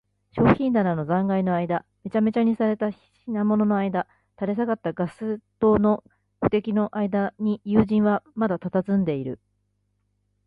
商品棚の残骸のあいだ、めちゃめちゃにされた品物のあいだ、垂れ下がったガス燈の腕木のあいだに、友人はまだたたずんでいる。